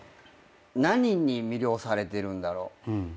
何に魅了されてるんだろう？